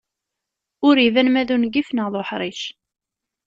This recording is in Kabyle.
Ur iban ma d ungif neɣ d uḥric.